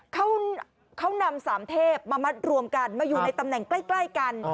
เขานำสามเทพมามัดรวมกันมาอยู่ในตำแหน่งใกล้กัน